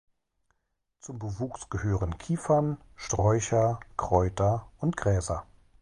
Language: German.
Zum Bewuchs gehören Kiefern, Sträucher, Kräuter und Gräser.